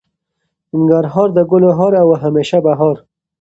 ننګرهار د ګلو هار او همیشه بهار.